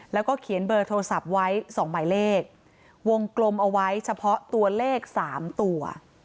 แล้วก็เขียนเบอร์โทรศัพท์ไว้๒หมายเลขวงกลมเอาไว้เฉพาะตัวเลข๓ตัว